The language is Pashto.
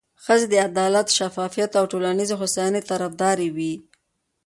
ښځې د عدالت، شفافیت او ټولنیزې هوساینې طرفداره وي.